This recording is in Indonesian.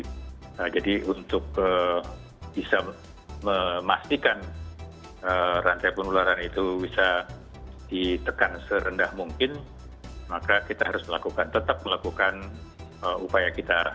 nah jadi untuk bisa memastikan rantai penularan itu bisa ditekan serendah mungkin maka kita harus melakukan tetap melakukan upaya kita